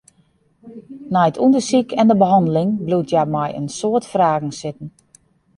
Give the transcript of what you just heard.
Nei it ûndersyk en de behanneling bliuwt hja mei in soad fragen sitten.